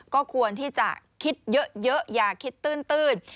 ก็ควรที่จะคิดเยอะอย่าคิดตื้น